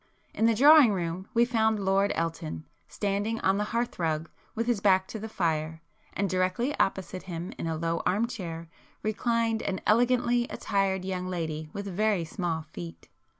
In the drawing room we found Lord Elton, standing on the hearth rug with his back to the fire, and directly opposite him in a low arm chair, reclined an elegantly attired young lady with very small feet.